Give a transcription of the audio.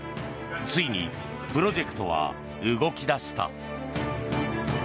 ついにプロジェクトは動き出した。